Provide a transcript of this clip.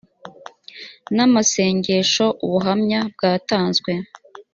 n amasengesho ubuhamya bwatanzwe